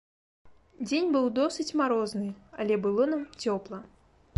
Дзень быў досыць марозны, але было нам цёпла.